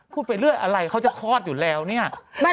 ไปเรื่อยอะไรเขาจะคลอดอยู่แล้วเนี่ย